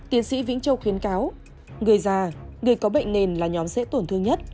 tiến sĩ vĩnh châu khuyến cáo người già người có bệnh nền là nhóm dễ tổn thương nhất